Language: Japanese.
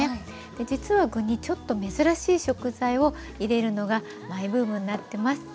実は具にちょっと珍しい食材を入れるのがマイブームになってます。